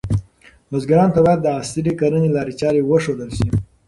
بزګرانو ته باید د عصري کرنې لارې چارې وښودل شي.